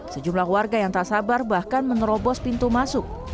sejumlah warga yang tak sabar bahkan menerobos pintu masuk